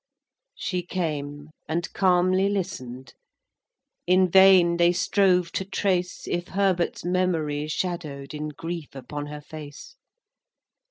XV. She came, and calmly listen'd; In vain they strove to trace If Herbert's memory shadow'd In grief upon her face.